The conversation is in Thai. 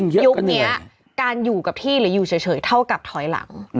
ยุคนี้การอยู่กับที่หรืออยู่เฉยเท่ากับถอยหลัง